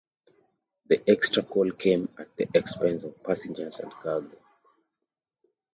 The extra coal came at the expense of passengers and cargo.